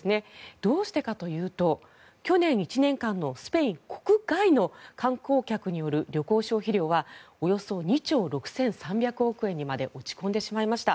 どうしてかというと去年１年間のスペイン国外の観光客による旅行消費量はおよそ２兆６３００億円にまで落ち込んでしまいました。